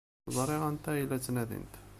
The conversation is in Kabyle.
Ẓriɣ anta ay la ttnadin.